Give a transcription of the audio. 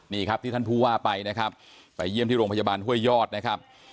นี่ครับที่ท่านผู้ว่าไปนะครับไปเยี่ยมที่โรงพยาบาลห้วยยอดนะครับ